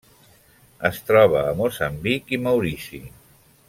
Es troba a Moçambic i Maurici.